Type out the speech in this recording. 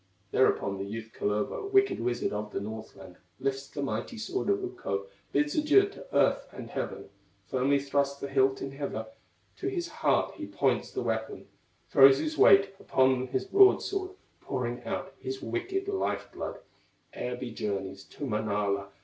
Thereupon the youth, Kullervo, Wicked wizard of the Northland, Lifts the mighty sword of Ukko, Bids adieu to earth and heaven; Firmly thrusts the hilt in heather, To his heart he points the weapon, Throws his weight upon his broadsword, Pouring out his wicked life blood, Ere he journeys to Manala.